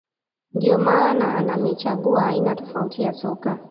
ndiyo maana anamechagua aina tofauti ya soka